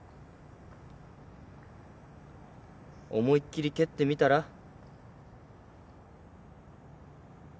思いっ切り蹴ってみたら？